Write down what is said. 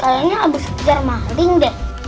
kaliannya abis kejar maling ben